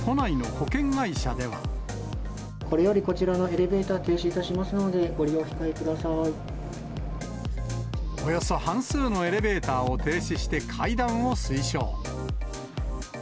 これよりこちらのエレベーター、停止いたしますので、およそ半数のエレベーターを停止して階段を推奨。